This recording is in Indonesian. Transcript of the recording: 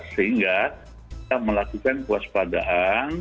sehingga kita melakukan puas padaan